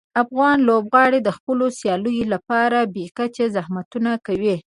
افغان لوبغاړي د خپلو سیالیو لپاره بې کچه زحمتونه کوي.